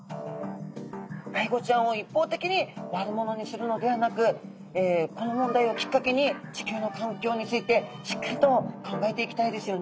アイゴちゃんを一方的に悪者にするのではなくこの問題をきっかけに地球の環境についてしっかりと考えていきたいですよね。